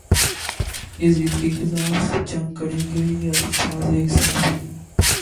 یزید کے خلاف جنگ کریں گے یہ الفاظ ایک صحابی